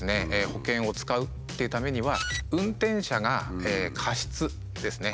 保険を使うっていうためには運転者が過失ですね